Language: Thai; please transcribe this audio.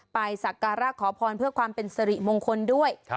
สักการะขอพรเพื่อความเป็นสริมงคลด้วย